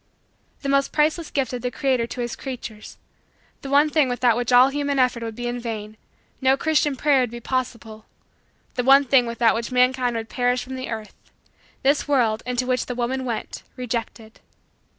The most priceless gift of the Creator to his creatures the one thing without which all human effort would be in vain, no Christian prayer would be possible; the one thing without which mankind would perish from the earth this world, into which the woman went, rejected.